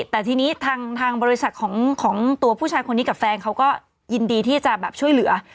แต่ทีนี้ทางบริษัทของตัวผู้ชายคนนี้กับแฟนเขาก็ยินดีที่จะแบบช่วยเหลือ